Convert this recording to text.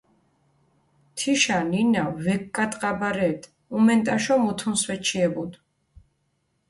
თიშა ნინა ვეკგატყაბარედჷ, უმენტაშო მუთუნს ვეჩიებუდჷ.